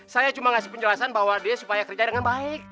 saya cuma ngasih penjelasan bahwa dia supaya kerja dengan baik